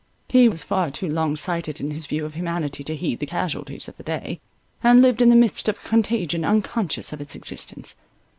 He was far too long sighted in his view of humanity to heed the casualties of the day, and lived in the midst of contagion unconscious of its existence.